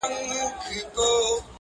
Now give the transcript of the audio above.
اوس خورا په خړپ رپيږي ورځ تېرېږي~